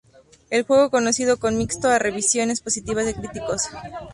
El juego conocido con mixto a revisiones positivas de críticos.